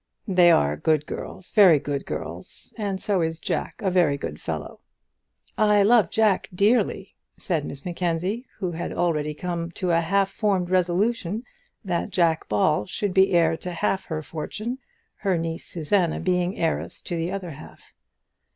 "They are good girls, very good girls, and so is Jack a very good fellow." "I love Jack dearly," said Miss Mackenzie, who had already come to a half formed resolution that Jack Ball should be heir to half her fortune, her niece Susanna being heiress to the other half.